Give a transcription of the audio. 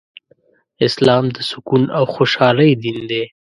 اسلام د سکون او خوشحالۍ دين دی